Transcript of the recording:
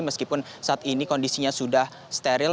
meskipun saat ini kondisinya sudah steril